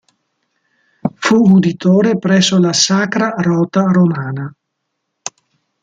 Fu uditore presso la Sacra Rota romana.